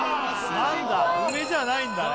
何だ梅じゃないんだね。